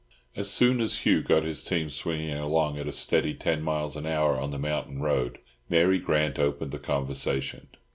As soon as Hugh got his team swinging along at a steady ten miles an hour on the mountain road, Mary Grant opened the conversation.